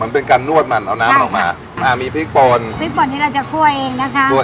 มันเป็นการนวดมันเอาน้ำมันออกมาอ่ามีพริกป่นพริกป่นนี้เราจะคั่วเองนะคะ